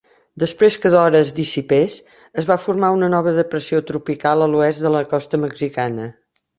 Després que Dora es dissipés, es va formar una nova depressió tropical a l'oest de la costa mexicana.